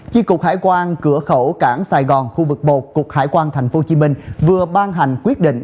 chi cục hải quan cửa khẩu cảng sài gòn khu vực một cục hải quan tp hcm vừa ban hành quyết định